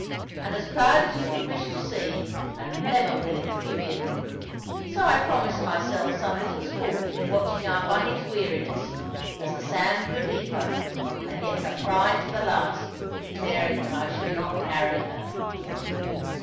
And as proud as you could wish to see, and never willing to give in; so I promised myself some little sport in watching our Bunny's weariness, as the sand grew deeper, and yet her pride to the last declaring that I should not carry her.